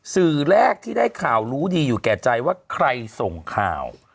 สื่อแรกที่ได้ข่าวรู้ดีอยู่แก่ใจว่าใครส่งข่าว